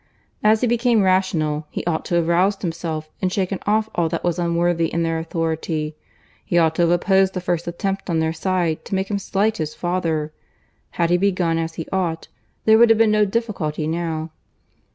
As he became rational, he ought to have roused himself and shaken off all that was unworthy in their authority. He ought to have opposed the first attempt on their side to make him slight his father. Had he begun as he ought, there would have been no difficulty now."